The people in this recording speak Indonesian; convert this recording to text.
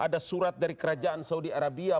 ada surat dari kerajaan saudi arabia